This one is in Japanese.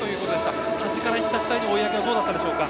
端からいった２人の追い上げはどうだったでしょうか。